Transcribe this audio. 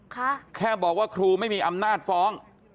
แค่บอกว่าครูไม่มีอำนาจฟ้อง